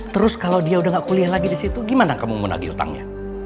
terus kalau dia udah gak kuliah lagi di situ gimana kamu menagih utangnya